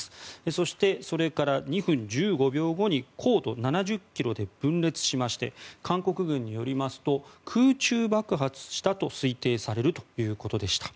そして、それから２分１５秒後に高度７０ｋｍで分裂しまして韓国軍によりますと空中爆発したと推定されるということでした。